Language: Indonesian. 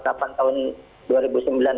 hakim harus menggalakkan dan juga dalam hal lain